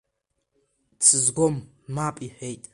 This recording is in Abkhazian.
Дсызгом, мап, — иҳәеит.